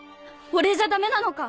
俺じゃダメなのか！